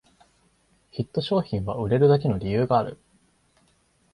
ヒット商品は売れるだけの理由がある